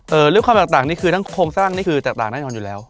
เรื่องความแตกต่างนี่คือทั้งโครงสร้างนี่คือแตกต่างแน่นอนอยู่แล้ว